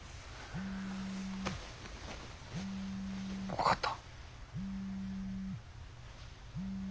分かった。